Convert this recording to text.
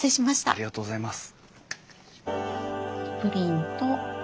ありがとうございます。